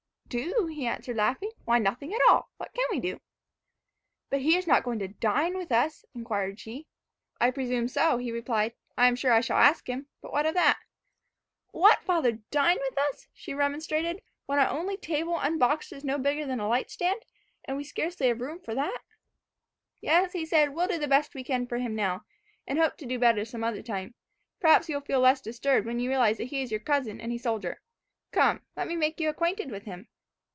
"Do?" he answered, laughing. "Why, nothing at all. What can we do?" "But is he not going to dine with us?" enquired she. "I presume so," he replied. "I am sure I shall ask him; but what of that?" "What, father, dine with us?" she remonstrated, "when our only table unboxed is no bigger than a light stand, and we have scarcely room for that!" "Yes," he said, "we will do the best we can for him now, and hope to do better some other time. Perhaps you will feel less disturbed when you realize that he is your cousin and a soldier. Come, let me make you acquainted with him."